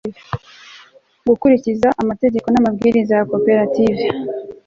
gukurikiza amategeko n'amabwiriza ya kopertive